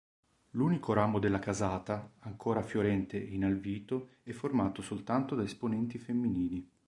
L'unico ramo della casata, ancora fiorente in Alvito, è formato soltanto da esponenti femminili..